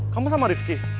kamu sama rifqi